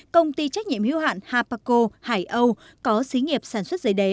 công ty trách nhiệm hữu hoạn habaco hải âu có xí nghiệp sản xuất giấy đế